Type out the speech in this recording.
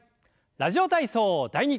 「ラジオ体操第２」。